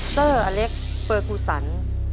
เซอร์อเล็กเปอร์คูสัน